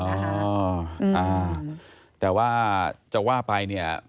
อ่าแต่ว่าจะว่าไปเนี่ย